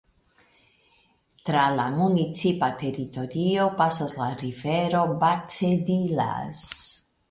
Tra la municipa teritorio pasas la rivero Becedillas.